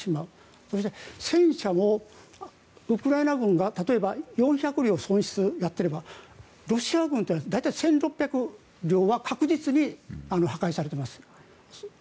そして戦車もウクライナ軍が例えば、４００両損失やっていればロシア軍というのは大体１６００両は確実に破壊されています。